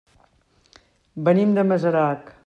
Venim de Masarac.